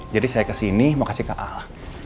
jadi saya kesini mau kasih ke al